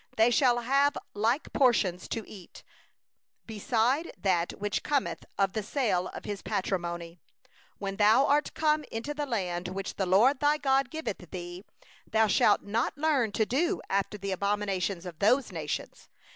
8They shall have like portions to eat, beside that which is his due according to the fathers'houses. 18 9When thou art come into the land which the LORD thy God giveth thee, thou shalt not learn to do after the abominations of those nations.